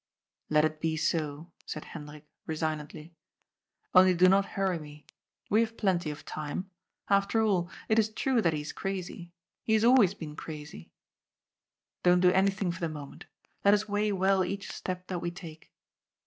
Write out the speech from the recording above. " Let it be so," said Hendrik resignedly. Only do not hurry me. We have plenty of time. After all, it is true that he is crazy. He has always been crazy. Don't do any thing for the moment. Let us weigh well each step that we take."